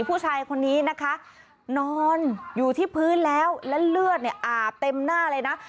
ผู้ชายคนนี้นะคะนอนอยู่ที่พื้นแล้วและเลือดเนี่ยอาบเต็มหน้าเลยนะ